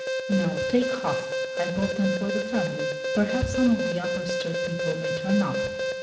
"No, take half; I bought them for the family. Perhaps some of the Upper Sturt people may turn up."